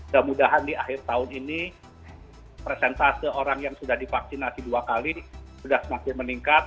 mudah mudahan di akhir tahun ini presentase orang yang sudah divaksinasi dua kali sudah semakin meningkat